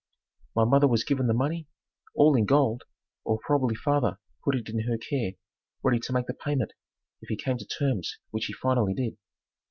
My mother was given the money, all in gold, or probably father put it in her care, ready to make the payment if he came to terms which he finally did.